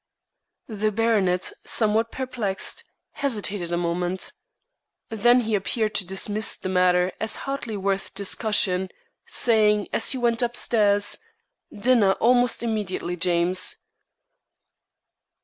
The baronet, somewhat perplexed, hesitated a moment. Then he appeared to dismiss the matter as hardly worth discussion, saying, as he went up stairs: "Dinner almost immediately, James."